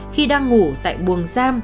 khi đang ngủ tại buồng giam